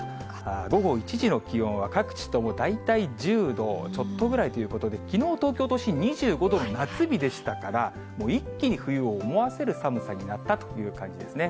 午後１時の気温は、各地とも大体１０度ちょっとぐらいということで、きのう、東京都心２５度の夏日でしたから、一気に冬を思わせる寒さになったという感じですね。